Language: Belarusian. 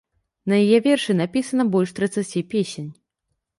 На яе вершы напісана больш трыццаці песень.